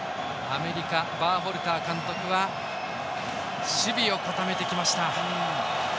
アメリカバーホルター監督は守備を固めてきました。